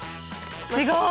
違う？